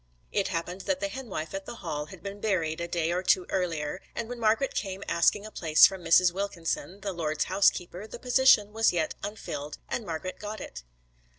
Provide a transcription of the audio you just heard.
It happened that the henwife at the Hall had been buried a day or two earlier, and when Margret came asking a place from Mrs. Wilkinson, the lord's housekeeper, the position was yet unfilled and Margret got it.